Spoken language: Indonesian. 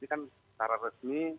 ini kan secara resmi